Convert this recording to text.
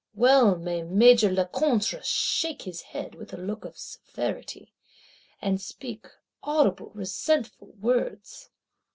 Well may Major Lecointre shake his head with a look of severity; and speak audible resentful words.